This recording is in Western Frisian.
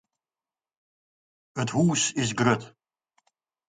It hûs is grut.